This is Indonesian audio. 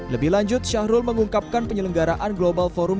lebih lanjut syahrul mengungkapkan penyelenggaraan global forum